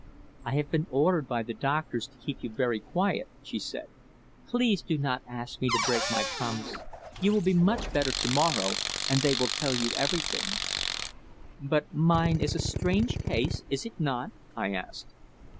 "I have been ordered by the doctors to keep you very quiet," she said. "Please do not ask me to break my promise. You will be much better to morrow and they will tell you everything." "But mine is a strange case, is it not?" I asked.